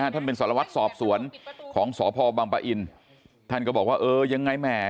ท่านเป็นสารวัตรสอบสวนของสพบังปะอินท่านก็บอกว่าเออยังไงแหม